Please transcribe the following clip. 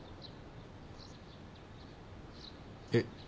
えっ？